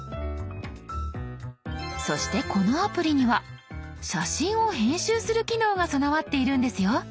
そしてこのアプリには写真を編集する機能が備わっているんですよ。